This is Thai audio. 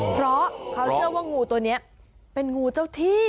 เพราะเขาเชื่อว่างูตัวนี้เป็นงูเจ้าที่